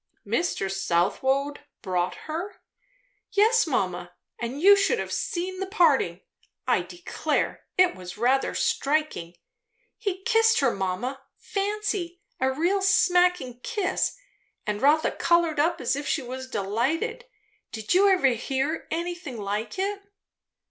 "Mr. Southwode brought her?" "Yes, mamma; and you should have seen the parting. I declare, it was rather striking! He kissed her, mamma, fancy! a real smacking kiss; and Rotha coloured up as if she was delighted. Did you ever hear anything like it?"